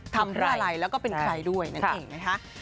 ทำเพื่ออะไรแล้วก็เป็นใครด้วยนั่นเองนะคะ